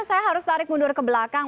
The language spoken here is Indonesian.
saya harus tarik mundur ke belakang